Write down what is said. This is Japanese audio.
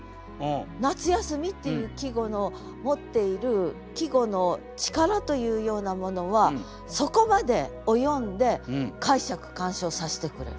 「夏休」っていう季語の持っている季語の力というようなものはそこまで及んで解釈鑑賞させてくれる。